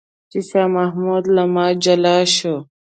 چې شاه محمود له ما جلا شو.